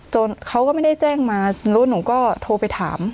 เขาก็ไม่ได้แจ้งมารู้หนูก็โทรไปถาม